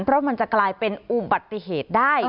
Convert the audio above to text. เพราะมันจะกลายเป็นอุบัติเหตุได้